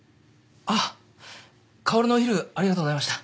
あっ薫のお昼ありがとうございました。